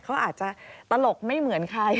เขาอาจจะตลกไม่เหมือนใคร